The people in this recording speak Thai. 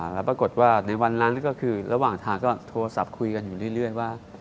แล้วปรากฏว่าในวันนั้นก็คือระหว่างทางก็โทรศัพท์คุยกันอยู่เรื่อยว่า